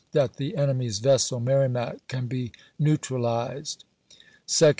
That the enemy's vessel Merrimac can be neu tralized ; Second.